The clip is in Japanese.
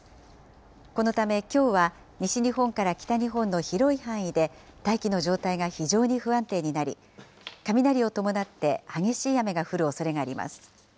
このため、きょうは西日本から北日本の広い範囲で、大気の状態が非常に不安定になり、雷を伴って激しい雨が降るおそれがあります。